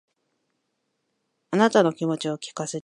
あなたの気持ちを聞かせてくれませんか